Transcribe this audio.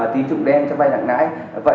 tín trụng đen cho vai đặc nãi